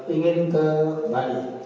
ingin ke bali